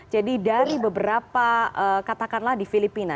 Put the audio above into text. jadi dari beberapa katakanlah di filipina